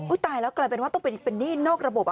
ตายแล้วกลายเป็นว่าต้องเป็นหนี้นอกระบบ